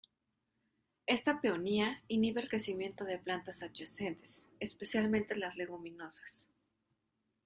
Esta peonía inhibe el crecimiento de plantas adyacentes, especialmente las leguminosas.